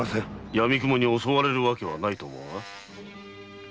やみくもに襲われる訳はないと思うが？